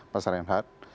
pasal yang had